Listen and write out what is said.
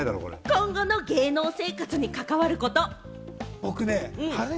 今後の芸能生活に関わること。